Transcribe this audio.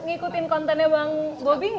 ikutin kontennya bang gobi gak